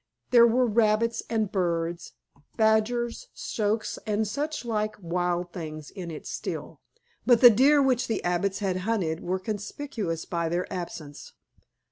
There were rabbits and birds, badgers, stoats, and such like wild things in it still, but the deer which the abbots had hunted were conspicuous by their absence.